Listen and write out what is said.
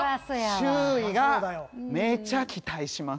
周囲がめちゃ期待します。